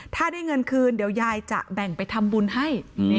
ถ้าได้เงินคืนเดี๋ยวยายจะแบ่งไปทำบุญให้